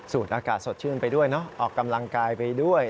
สูตรอากาศสดชื่นไปด้วยออกกำลังกายไปด้วย